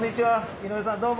井上さんどうも。